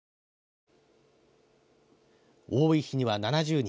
多い日には７０人。